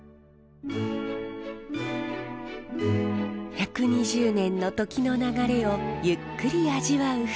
１２０年の時の流れをゆっくり味わう２人。